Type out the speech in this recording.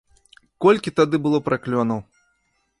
Колькі тады было праклёнаў!